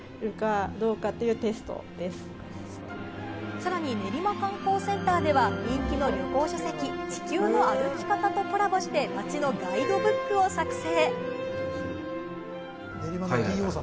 さらに、ねりま観光センターでは人気の旅行書籍『地球の歩き方』とコラボして街のガイドブックを作成。